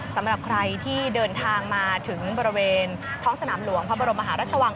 สำหรับใครที่เดินทางมาถึงบริเวณท้องสนามหลวงพระบรมมหาราชวัง